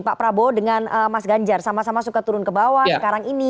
pak prabowo dengan mas ganjar sama sama suka turun ke bawah sekarang ini